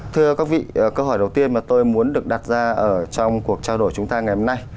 thưa các vị câu hỏi đầu tiên mà tôi muốn được đặt ra trong cuộc trao đổi chúng ta ngày hôm nay